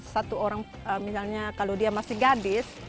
satu orang misalnya kalau dia masih gadis